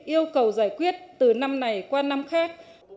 yêu cầu giải quyết từ năm này qua năm khác